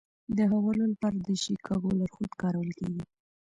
د حوالو لپاره د شیکاګو لارښود کارول کیږي.